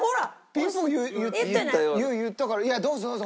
ピンポンいったからいやどうぞどうぞ。